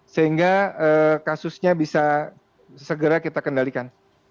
sehingga kasusnya bisa segera kita kendalikan